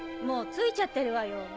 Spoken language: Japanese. もう着いちゃってるわよ。